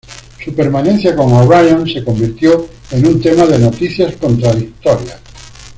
Su permanencia con O'Brien se convirtió en un tema de noticias contradictorias.